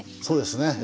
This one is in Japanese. そうですね